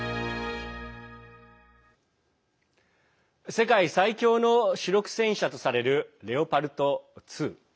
世界最強の主力戦車とされるレオパルト２。